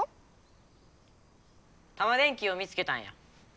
タマ電Ｑを見つけたんや。